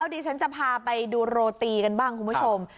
ดิฉันจะพาไปดูโรตีกันบ้างคุณผู้ชม